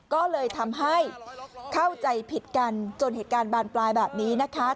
ก็เลยทำให้เข้าใจผิดกันจนเหตุการณ์บานปลายแบบนี้นะคะ